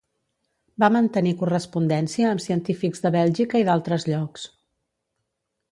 Va mantenir correspondència amb científics de Bèlgica i d'altres llocs.